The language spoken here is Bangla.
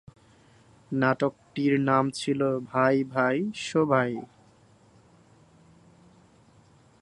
নাটকটির নাম ছিল ভাই ভাই শোবাই।